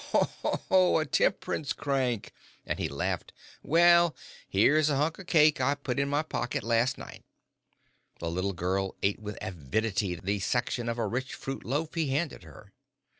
"Oh! a temperance crank," and he laughed. "Well, here's a hunk of cake I put in my pocket last night." The little girl ate with avidity the section of a rich fruit loaf he handed her.